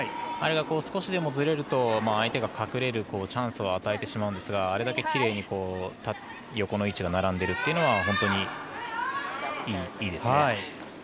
あれが少しでもずれると相手が隠れるチャンスを与えてしまうんですがあれだけきれいに横の位置が並んでいるのは本当にいいですね。